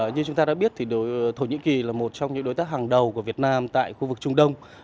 như chúng ta đã biết thì thổ nhĩ kỳ là một trong những đối tác hàng đầu của việt nam tại khu vực trung đông